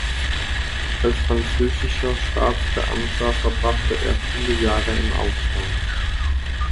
Als französischer Staatsbeamter verbrachte er viele Jahre im Ausland.